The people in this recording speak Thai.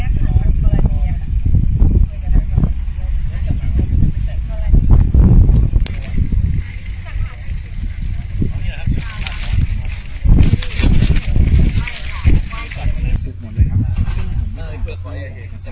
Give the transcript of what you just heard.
สวัสดีครับคุณผู้ชาย